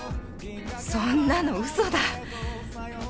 「そんなの嘘だ」